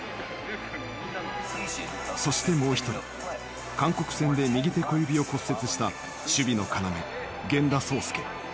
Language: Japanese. そしてもう１人韓国戦で右手小指を骨折した守備の要源田壮亮。